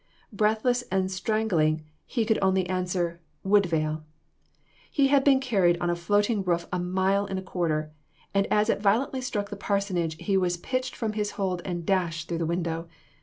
breathless and strangling, he could only answer, "Woodvale." He had been carried on a floating roof a mile and a quarter, and as it violently struck the parsonage, he was pitched from his hold and dashed through the window.